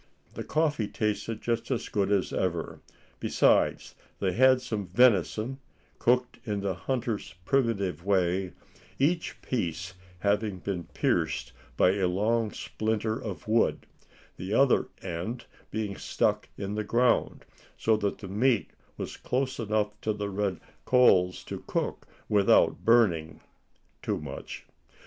The coffee tasted just as good as ever. Besides, they had some venison, cooked in the hunter's primitive way, each piece having been pierced by a long splinter of wood, the other end being stuck in the ground, so that the meat was close enough to the red coals to cook without burning too much.